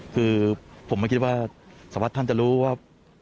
คือผมไม่คิดว่าสวัสดิท่านจะรู้ว่า